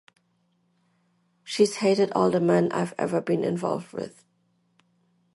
She's hated all the men I've ever been involved with.